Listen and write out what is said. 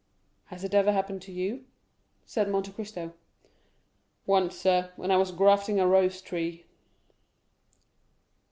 "Has it ever happened to you?" said Monte Cristo. "Once, sir, when I was grafting a rose tree."